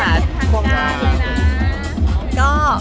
ไม่ติดตามมาผ่องด้าน